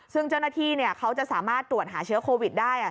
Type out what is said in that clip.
ซึ่งเจ้าหน้าที่เขาจะสามารถตรวจหาเชื้อโควิดได้